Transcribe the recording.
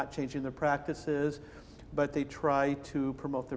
tapi mereka mencoba mempromosi